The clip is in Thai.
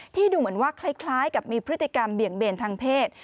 ดูเหมือนว่าคล้ายกับมีพฤติกรรมเบี่ยงเบนทางเพศ